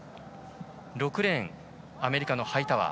６レーン、アメリカのハイタワー。